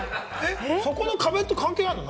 そこの壁って関係あんの？